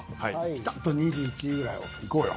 ぴたっと２１位ぐらいをいこうよ。